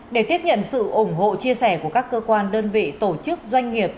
để tiếp nhận sự ủng hộ chia sẻ của các cơ quan đơn vị tổ chức doanh nghiệp